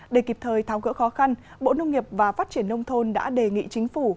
để kịp thời tháo gỡ khó khăn bộ nông nghiệp và phát triển nông thôn đã đề nghị chính phủ